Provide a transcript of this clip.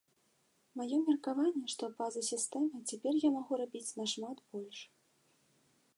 Маё меркаванне, што па-за сістэмай цяпер я магу рабіць нашмат больш.